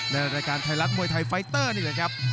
ในรายการไทยรัฐมวยไทยไฟเตอร์นี่แหละครับ